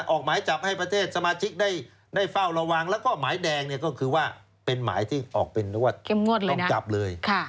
ออกหมายจับให้ประเทศสมาชิกได้เฝ้าระวังแล้วก็หมายแดงเนี่ยก็คือว่าเป็นหมายที่ออกเป็นจับเลย